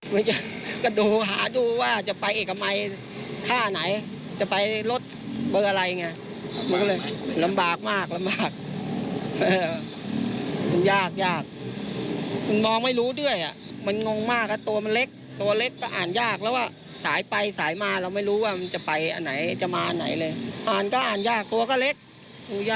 เมื่อเราจะไปขึ้นรถเนี่ย